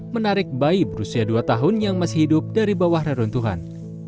menarik bayi berusia dua tahun yang masih hidup dari bawah reruntuhan